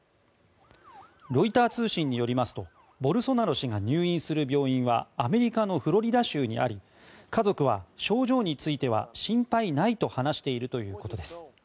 ロイター通信によりますとボルソナロ氏が入院する病院はアメリカのフロリダ州にあり家族は症状については心配ないと話しているということです。